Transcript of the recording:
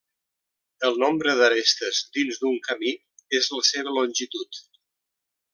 El nombre d'arestes dins d'un camí és la seva longitud.